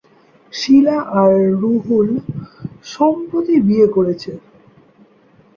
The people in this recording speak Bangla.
শিলা আর রুহুল সম্প্রতি বিয়ে করেছে।